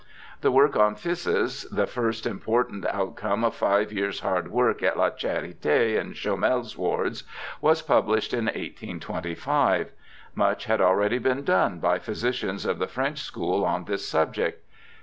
The work on phthisis, the first important outcome of five years' hard work at La Charite in Chomel's wards, was published in 1825. Much had already been done by physicians of the French school on this subject.